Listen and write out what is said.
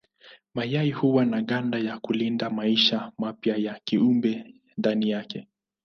Mayai huwa na ganda ya kulinda maisha mapya ya kiumbe ndani yake.